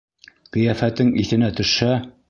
Ҡиәфәтең иҫенә төшһә....